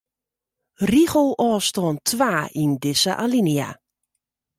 Rigelôfstân twa yn dizze alinea.